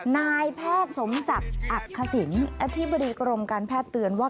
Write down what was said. นายแพทย์สมศักดิ์อักษิณอธิบดีกรมการแพทย์เตือนว่า